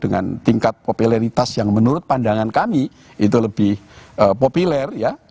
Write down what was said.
dengan tingkat popularitas yang menurut pandangan kami itu lebih populer ya